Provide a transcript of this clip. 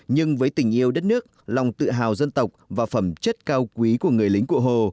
nhưng với tình yêu đất nước lòng tự hào dân tộc và phẩm chất cao quý của người lính cụ hồ